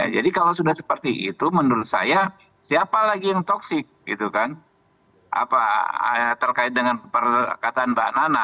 jadi kalau sudah seperti itu menurut saya siapa lagi yang toxic gitu kan apa terkait dengan perkataan mbak nana